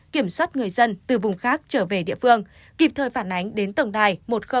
kiểm soát người dân từ vùng khác trở về địa phương kịp thời phản ánh đến tổng đài một nghìn hai mươi hai